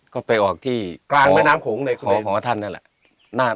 ก็ไปออกที่กลางแม่น้ำโขงในของหอท่านนั่นแหละ